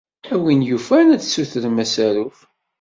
A win yufan ad tessutremt asaruf.